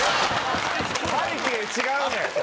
背景違うねん！